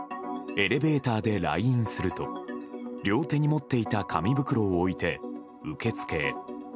エレベーターで来院すると両手に持っていた紙袋を置いて受付へ。